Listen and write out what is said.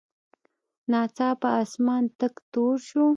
ناڅاپه اسمان تک تور شو.